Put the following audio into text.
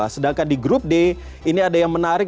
sedangkan di grup d ini ada yang menarik